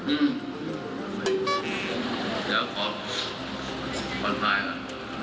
อืมเดี๋ยวก่อนพันที่จะไปแล้วครับ